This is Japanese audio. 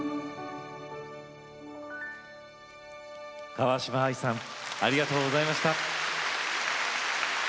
川嶋あいさんありがとうございました。